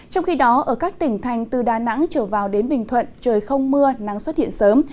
trong khi đó ở các tỉnh thành từ đà nẵng trở vào đến bình thuận trời không mưa nắng xuất hiện sớm